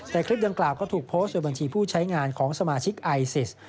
แต่คลิปดังกล่าวก็ถูกโพสต์โดยบัญชีผู้ใช้งานของสมาชิกไอซิส